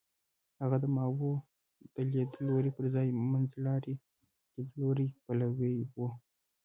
هغه د ماوو د لیدلوري پر ځای منځلاري لیدلوري پلوی و.